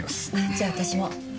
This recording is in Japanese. じゃあ私も。